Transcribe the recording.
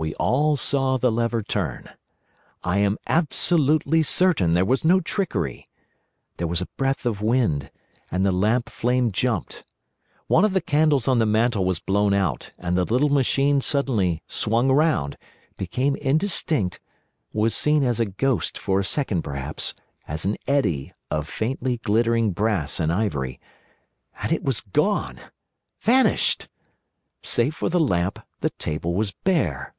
We all saw the lever turn. I am absolutely certain there was no trickery. There was a breath of wind, and the lamp flame jumped. One of the candles on the mantel was blown out, and the little machine suddenly swung round, became indistinct, was seen as a ghost for a second perhaps, as an eddy of faintly glittering brass and ivory; and it was gone—vanished! Save for the lamp the table was bare.